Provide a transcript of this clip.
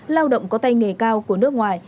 lao động có tay nghề cao của nước ngoài